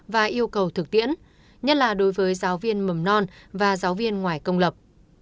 và yêu cầu thực tiễn nhất là đối với giáo viên mầm non và giáo viên ngoài công lập